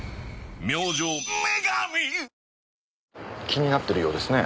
気になってるようですね